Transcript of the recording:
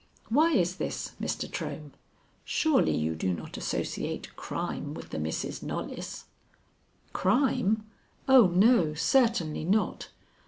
Why is this, Mr. Trohm? Surely you do not associate crime with the Misses Knollys?" "Crime? Oh, no, certainly not.